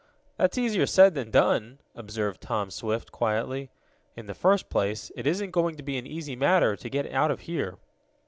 "That's easier said than done," observed Tom Swift, quietly. "In the first place, it isn't going to be an easy matter to get out of here."